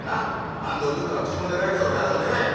安藤竜太は口もでかいけど態度もでかい。